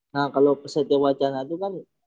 nah kalau ke satya wacana itu kan